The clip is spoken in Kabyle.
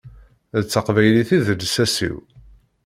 D taqbaylit i d lsas-iw.